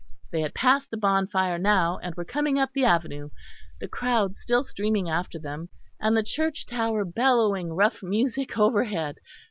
They had passed the bonfire now, and were coming up the avenue, the crowds still streaming after them, and the church tower bellowing rough music overhead.